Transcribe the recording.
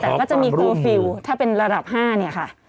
แต่ก็จะมีเคอร์ฟิลล์ถ้าเป็นระดับ๕เนี่ยค่ะ